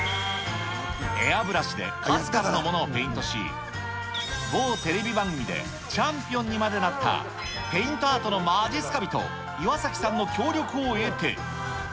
エアブラシで数々のものをペイントし、某テレビ番組でチャンピオンにまでなった、ペイントアートのまじっすか人、岩崎さんの協力を得て。